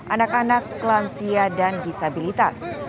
anak anak lansia dan disabilitas